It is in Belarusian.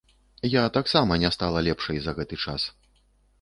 Я таксама не стала лепшай за гэты час.